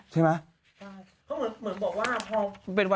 ใช่ไหม